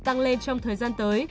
tăng lên trong thời gian tới